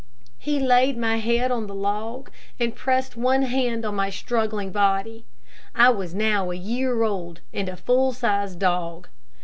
He laid my head on the log and pressed one hand on my struggling body. I was now a year old and a full sized dog.